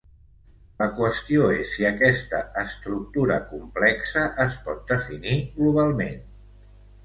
La qüestió és si aquesta estructura complexa es pot definir globalment.